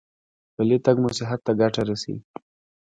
پلی تګ مو صحت ته ګټه رسوي.